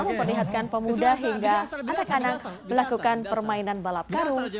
memperlihatkan pemuda hingga anak anak melakukan permainan balap karung